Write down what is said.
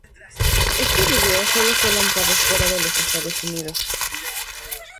Este vídeo sólo fue lanzado fuera de los Estados Unidos.